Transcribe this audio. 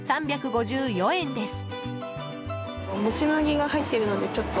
３５４円です。